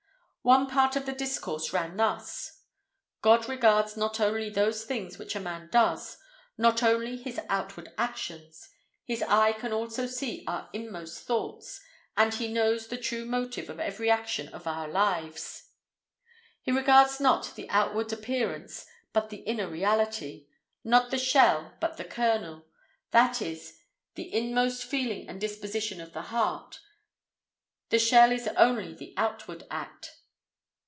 One part of the discourse ran thus:—'God regards not only those things which a man does, not only his outward actions; His eye can also see our inmost thoughts, and He knows the true motive of every action of our lives. He regards not the outward appearance, but the inner reality; not the shell, but the kernel; that is, the inmost feeling and disposition of the heart; the shell is only the outward act.